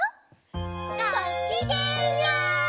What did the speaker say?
ごきげんよう！